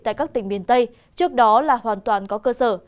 tại các tỉnh miền tây trước đó là hoàn toàn có cơ sở